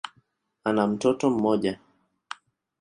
Ana mtoto mmoja.